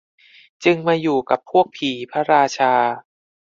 จึงมาอยู่กับพวกผีพระราชา